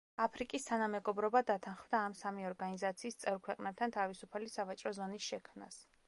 აფრიკის თანამეგობრობა დათანხმდა ამ სამი ორგანიზაციის წევრ ქვეყნებთან თავისუფალი სავაჭრო ზონის შექმნას.